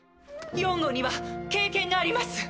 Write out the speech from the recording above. ４号には経験があります。